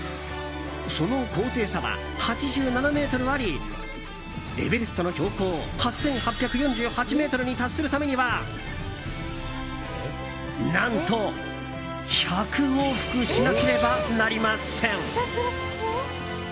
その高低差は８７ｍありエベレストの標高８８４８ｍに達するためには、何と１００往復しなければなりません。